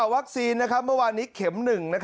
วัคซีนเมื่อวานี้เข็ม๑